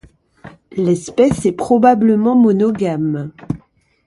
L’espèce est probablement monogame.